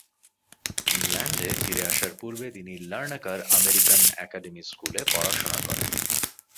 ইংল্যান্ডে ফিরে আসার পূর্বে তিনি লারনাকার আমেরিকান একাডেমি স্কুলে পড়াশোনা করেন।